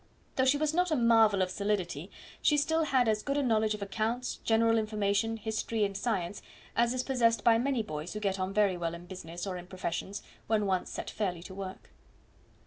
Though she was not a marvel of solidity, she still had as good a knowledge of accounts, general information, history, and science, as is possessed by many boys who get on very well in business or in professions, when once set fairly to work.